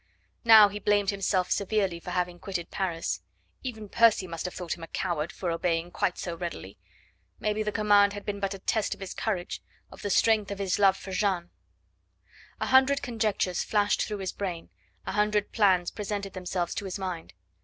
Now he blamed himself severely for having quitted Paris. Even Percy must have thought him a coward for obeying quite so readily. Maybe the command had been but a test of his courage, of the strength of his love for Jeanne. A hundred conjectures flashed through his brain; a hundred plans presented themselves to his mind.